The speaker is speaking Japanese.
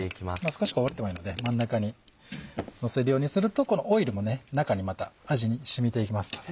少しこぼれてもいいので真ん中にのせるようにするとこのオイルも中にまた味に染みていきますので。